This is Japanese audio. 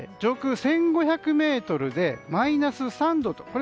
上空１５００ｍでマイナス３度と。